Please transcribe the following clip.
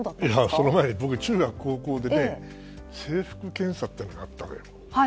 その前に僕、中学、高校で制服検査っていうのがあったのよ。